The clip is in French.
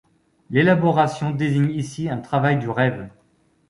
L'élaboration désigne ici un travail du rêve.